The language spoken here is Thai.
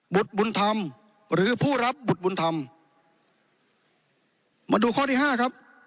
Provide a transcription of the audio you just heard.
บุญธรรมหรือผู้รับบุตรบุญธรรมมาดูข้อที่ห้าครับ